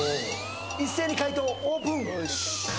一斉に解答オープン